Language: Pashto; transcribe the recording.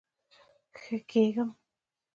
ښه کیږم